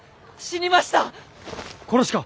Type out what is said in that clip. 殺しか？